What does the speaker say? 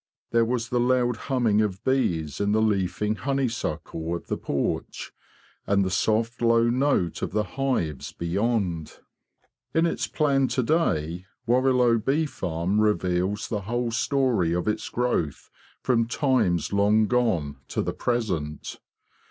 There was the loud humming of bees in the leafing honeysuckle of the porch, and the soft low note of the hives beyond. In its plan to day Warrilow Bee farm reveals the whole story of its growth from times long gone to the present.